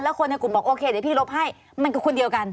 คนในกลุ่มบอกโอเคเดี๋ยวพี่ลบให้มันคือคนเดียวกัน